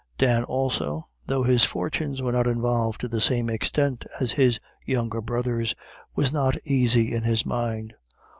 Dan also, though his fortunes were not involved to the same extent as his younger brother's, was not easy in his mind.